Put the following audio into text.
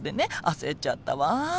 焦っちゃったわ。